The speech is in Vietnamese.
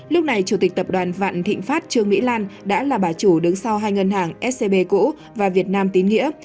lúc này chủ tịch tập đoàn vạn thịnh pháp trương mỹ lan đã là bà chủ đứng sau hai ngân hàng scb cũ và việt nam tín nghĩa